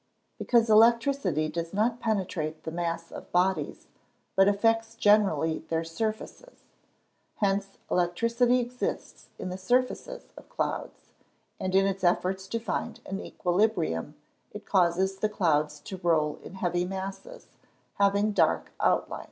_ Because electricity does not penetrate the masses of bodies, but affects generally their surfaces. Hence electricity exists in the surfaces of clouds, and in its efforts to find an equilibrium it causes the clouds to roll in heavy masses, having dark outlines.